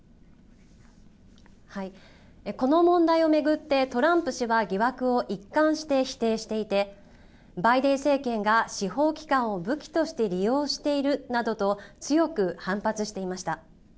この問題を巡って、トランプ氏は疑惑を一貫して否定していて、バイデン政権が司法機関を武器として利用しているなどと強く反発していました。